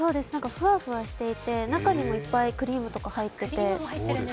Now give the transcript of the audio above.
ふわふわしていて、中にもいっぱいクリームとか入ってて。